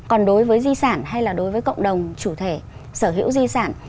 còn đối với di sản hay là đối với cộng đồng chủ thể sở hữu di sản